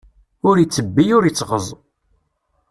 Ur ittebbi ur ittɣeẓẓ.